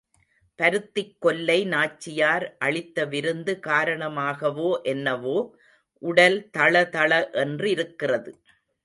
பருத்திக் கொல்லை நாச்சியார் அளித்த விருந்து காரணமாகவோ என்னவோ உடல் தளதள என்றிருக்கிறது.